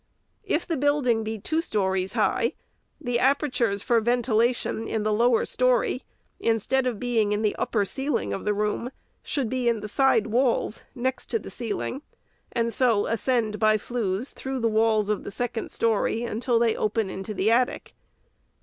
If the building be two stories high, the apertures for ventilation in the lower story, instead of being in the upper ceiling of the room, should be in the side walls, next the ceiling, and so ascend, by flues, through the walls of the second story until they open into the attic.